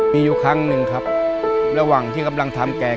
มีอยู่ครั้งหนึ่งครับระหว่างที่กำลังทำแกง